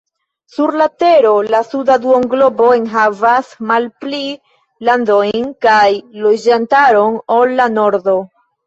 Sur la tero la suda duonglobo enhavas malpli landojn kaj loĝantaron ol la nordo.